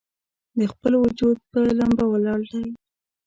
د خپل وجود پۀ ، لمبه ولاړ دی